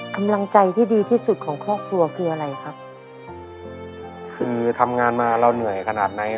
กำลังใจที่ดีที่สุดของครอบครัวคืออะไรครับคือทำงานมาเราเหนื่อยขนาดไหน